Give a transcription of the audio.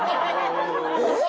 えっ！